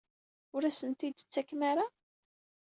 Ur asent-ten-id-tettakem ara?